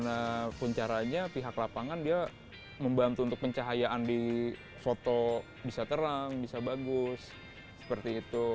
nah kuncaranya pihak lapangan dia membantu untuk pencahayaan di foto bisa terang bisa bagus seperti itu